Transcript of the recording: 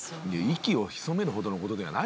息を潜めるほどのことではない。